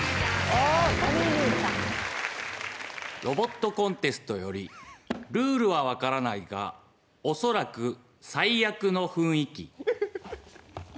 ロボットコンテストよりルールは分からないがおそらく最悪の雰囲気。